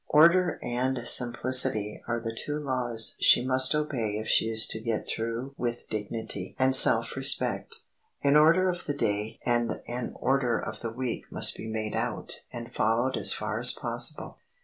Order and simplicity are the two laws she must obey if she is to get through with dignity and self respect. An order of the day and an order of the week must be made out and followed as far as possible.